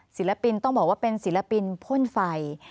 ศิลปินต้องบอกว่าเป็นศิลปินพ่นไฟ